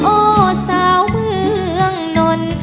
โอ้สาวเมืองนน